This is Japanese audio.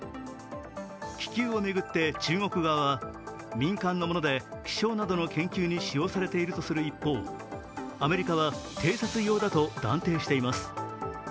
気球を巡って中国側は、民間のもので気象などの研究に使用されているとする一方、アメリカは偵察用だと断定しています。